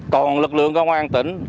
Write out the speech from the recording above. toàn lực lượng công an tỉnh